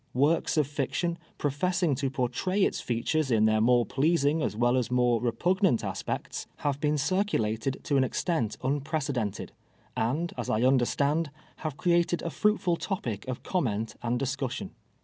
"Works of fiction, professing to portray its features in their more pleasing as well as more repugnant aspects, have been IS TWHLVE YKARS A SLAVE. circulated to an extent unprecedented, and, as I un derstand, have created a tVuiti'ul topic of comment and discussiiin.